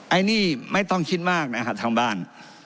ไอ้นี่ไม่ต้องคิดมากนะฮะทางบ้าน